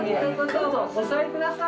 どうぞお座り下さい。